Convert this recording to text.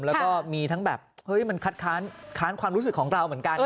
แล้วก็มีทั้งแบบเฮ้ยมันคัดค้านความรู้สึกของเราเหมือนกัน